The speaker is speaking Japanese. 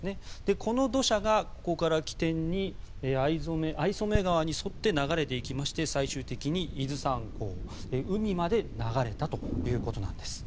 この土砂がここを起点に逢初川に沿って流れていきまして最終的に伊豆山港海まで流れたということです。